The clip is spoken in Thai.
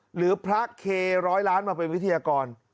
หรือพระเคร้อยล้านมาเป็นวิทยากร